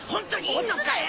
押すなよ！